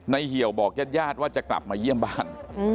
เหี่ยวบอกญาติญาติว่าจะกลับมาเยี่ยมบ้าน